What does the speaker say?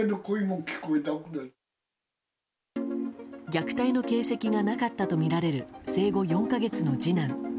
虐待の形跡がなかったとみられる生後４か月の次男。